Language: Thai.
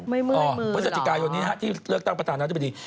ไม่เมื่อยมือเหรออ๋อพฤศจิกายนที่เลือกตั้งประธานาธิบดี